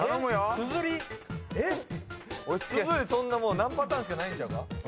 つづりそんなもう何パターンしかないんちゃうか？